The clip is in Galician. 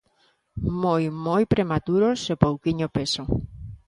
Moi, moi prematuros e pouquiño peso.